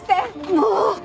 もう！